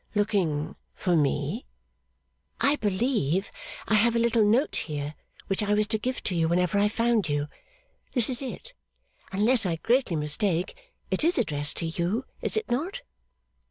'Looking for me?' 'I believe I have a little note here, which I was to give to you whenever I found you. This is it. Unless I greatly mistake, it is addressed to you? Is it not?